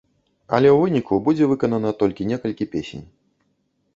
Але ў выніку будзе выканана толькі некалькі песень.